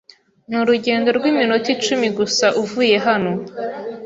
Ni urugendo rw'iminota icumi gusa uvuye hano.